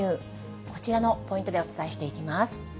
こちらのポイントでお伝えしていきます。